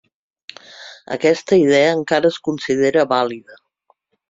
Aquesta idea encara es considera vàlida.